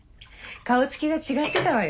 顔つきが違ってたわよ。